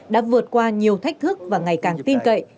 đã vượt qua nhiều thách thức và ngày càng tin cậy